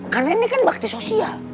karena ini kan bakti sosial